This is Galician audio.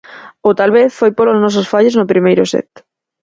Ou tal vez foi polos nosos fallos no primeiro set.